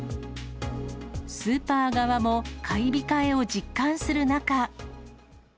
スーパー側も買い控えを実感する中。